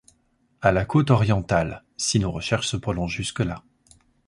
À la côte orientale, si nos recherches se prolongent jusque-là.